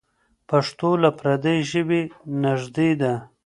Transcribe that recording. پښتو له پردۍ ژبې نږدې ده.